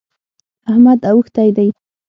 احمد اوښتی دی.